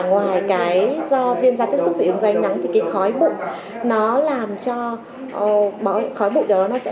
ngoài cái do viêm da tiếp xúc dưỡng do ánh nắng thì cái khói bụng nó làm cho khói bụi đó nó sẽ